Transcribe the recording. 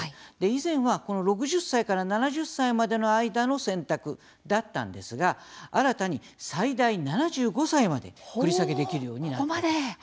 以前は、この６０歳から７０歳までの間の選択だったんですが新たに、最大７５歳まで繰り下げできるようになったと。